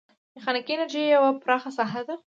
میخانیکي انجنیری یوه پراخه ساحه ده.